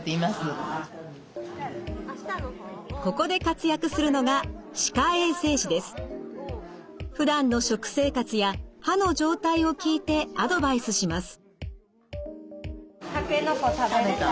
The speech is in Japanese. ここで活躍するのがふだんの食生活や歯の状態を聞いてアドバイスします。